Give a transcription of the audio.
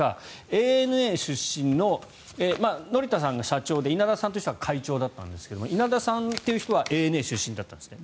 ＡＮＡ出身の乗田さんが社長で稲田さんという人が会長だったんですが稲田さんという人はＡＮＡ出身だったんですね。